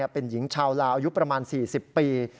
เป็นหญิงชาวลาวอายุประมาณ๔๐ปี